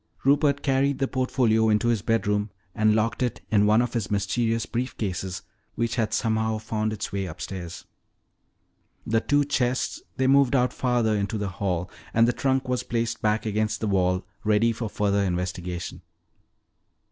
Rupert carried the portfolio into his bedroom and locked it in one of his mysterious brief cases which had somehow found its way upstairs. The two chests they moved out farther into the hall and the trunk was placed back against the wall, ready for further investigation.